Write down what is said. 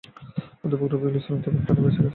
অধ্যাপক রফিকুল ইসলাম তখন প্রাণে বেঁচে যান।